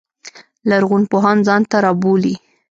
لرغون پوهان ځان ته رابولي.